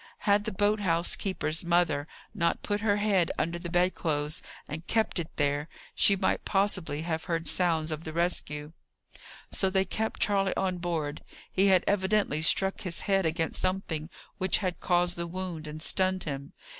Had the boat house keeper's mother not put her head under the bed clothes and kept it there, she might possibly have heard sounds of the rescue. So they kept Charley on board. He had evidently struck his head against something which had caused the wound, and stunned him.